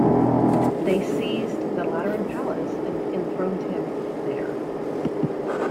They seized the Lateran Palace and enthroned him there.